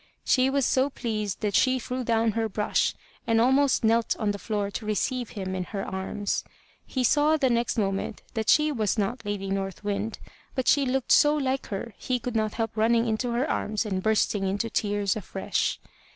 She was so pleased that she threw down her brush, and almost knelt on the floor to receive him in her arms. He saw the next moment that she was not Lady North Wind, but she looked so like her he could not help running into her arms and bursting into tears afresh.